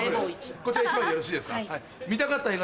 こちら１枚でよろしいですか？